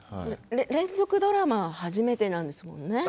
連続ドラマは初めてなんですものね。